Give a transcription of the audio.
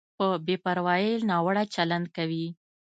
په بې پروایۍ ناوړه چلند کوي.